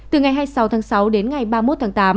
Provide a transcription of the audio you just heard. từ ngày hai mươi sáu tháng sáu đến ngày hai mươi tám tháng tám